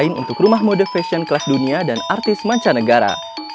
kain tarum adalah perubahan kain untuk rumah mode fashion kelas dunia dan artis mancanegara